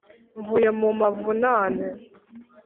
mvuye mu mavunane